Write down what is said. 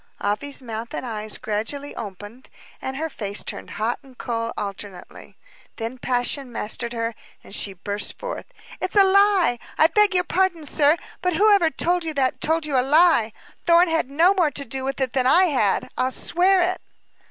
Afy's mouth and eyes gradually opened, and her face turned hot and cold alternately. Then passion mastered her, and she burst forth. "It's a lie! I beg your pardon, sir, but whoever told you that, told you a lie. Thorn had no more to do with it than I had; I'll swear it."